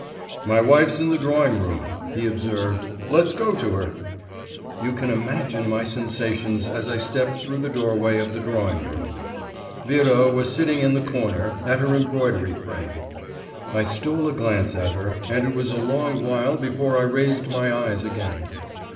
'My wife's in the drawing room,' he observed; 'let's go to her.' You can imagine my sensations as I stepped through the doorway of the drawing room. Vera was sitting in the corner, at her embroidery frame; I stole a glance at her, and it was a long while before I raised my eyes again.